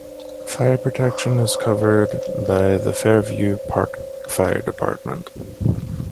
Fire protection is covered by the Fairview Park Fire Department.